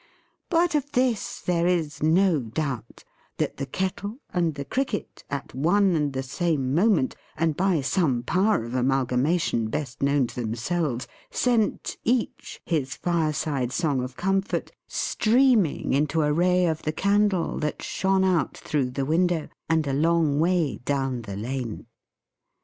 But of this, there is no doubt: that the Kettle and the Cricket, at one and the same moment, and by some power of amalgamation best known to themselves, sent, each, his fireside song of comfort streaming into a ray of the candle that shone out through the window; and a long way down the lane.